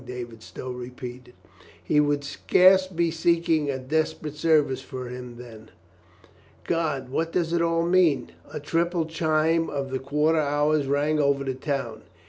David Stow repeated. "He would scarce be seeking a desperate service for him then. God, what does it all mean ?" A triple chime of the quarter hours rang over the town.